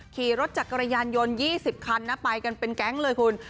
ขี่รถจักรยานยนต์๒๐คันนะไปกันเป็นแก๊งเลยคุณ